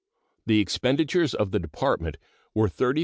The expenditures of the Department were $33,449,899.